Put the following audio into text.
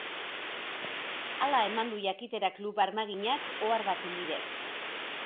Hala eman du jakitera klub armaginak ohar baten bidez.